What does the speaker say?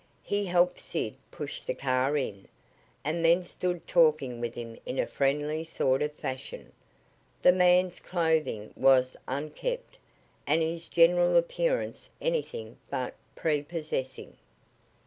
He helped Sid push the car in, and then stood talking with him in a friendly sort of fashion. The man's clothing was unkempt, and his general appearance anything but prepossessing.